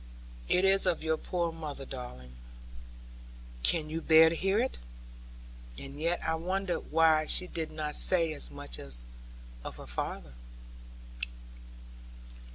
'It is of your poor mother, darling. Can you bear to hear it?' And yet I wondered why she did not say as much of her father.